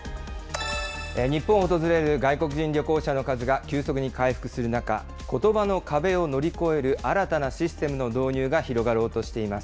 日本を訪れる外国人旅行者の数が急速に回復する中、ことばの壁を乗り越える新たなシステムの導入